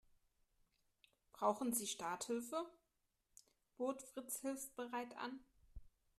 "Brauchen Sie Starthilfe?", bot Fritz hilfsbereit an.